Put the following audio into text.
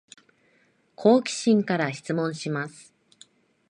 好奇心から質問します